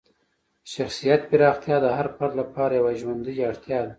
شخصیت پراختیا د هر فرد لپاره یوه ژوندۍ اړتیا ده.